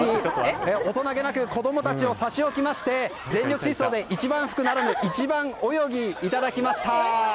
大人げなく子供たちを差し置きまして全力疾走で一番福ならぬ一番泳ぎ、いただきました。